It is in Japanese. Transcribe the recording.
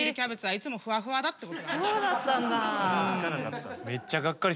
そうだったんだ。